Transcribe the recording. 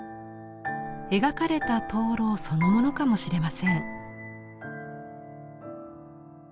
描かれた燈籠そのものかもしれません。